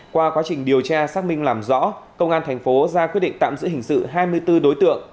qua quá trình điều tra xác minh làm rõ công an thành phố ra quyết định tạm giữ hình sự hai mươi bốn đối tượng